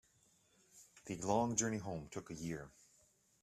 The long journey home took a year.